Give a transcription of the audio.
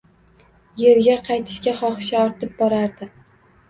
Yerga qaytishga xohishi ortib borardi.